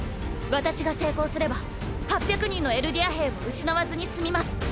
私が成功すれば８００人のエルディア兵を失わずに済みます。